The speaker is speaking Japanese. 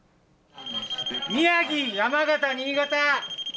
宮城、山形、新潟！